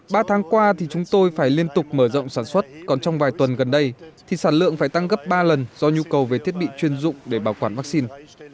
ba tháng qua thì chúng tôi phải liên tục mở rộng sản xuất còn trong vài tuần gần đây thì sản lượng phải tăng gấp ba lần do nhu cầu về thiết bị chuyên dụng để bảo quản vaccine